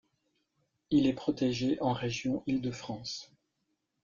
Il est protégé en région Île-de-France.